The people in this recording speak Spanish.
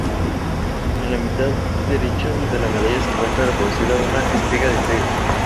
En la mitad derecha de la medalla se encuentra reproducida una espiga de trigo.